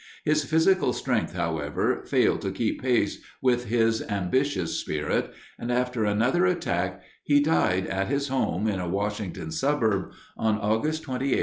His physical strength, however, failed to keep pace with his ambitious spirit, and after another attack, he died at his home in a Washington suburb on August 28, 1930.